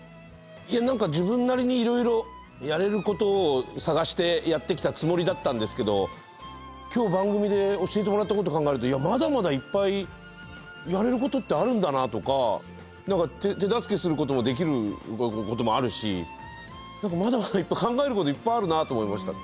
いや何か自分なりにいろいろやれることを探してやってきたつもりだったんですけど今日番組で教えてもらったこと考えるとまだまだいっぱいやれることってあるんだなとか手助けすることもできることもあるしまだまだ考えることいっぱいあるなと思いました。